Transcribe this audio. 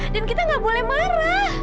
dan kita gak boleh marah